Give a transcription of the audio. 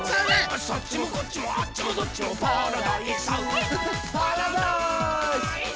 「そっちもこっちもあっちもどっちもパラダイス」「パラダイース」